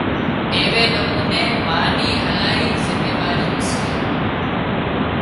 ايوي نموني ما ني الاهي زميواريون سي